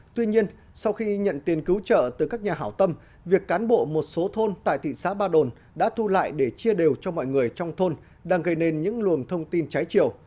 tuy nhiên sau khi nhận tiền cứu trợ từ các nhà hảo tâm việc cán bộ một số thôn tại thị xã ba đồn đã thu lại để chia đều cho mọi người trong thôn đang gây nên những luồng thông tin trái chiều